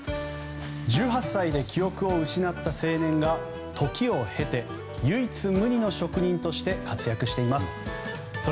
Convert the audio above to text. １８歳で記憶を失った青年が時を経て唯一無二の職人として活躍しています。